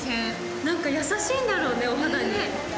何か優しいんだろうね、お肌に。